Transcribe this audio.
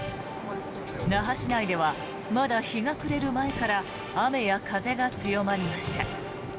那覇市内ではまだ日が暮れる前から雨や風が強まりました。